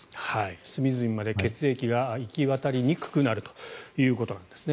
隅々まで血液が行き渡りにくくなるということなんですね。